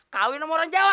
kau ini orang jawa